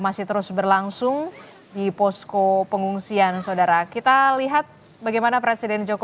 masih terus berlangsung di posko pengungsian saudara kita lihat bagaimana presiden joko widodo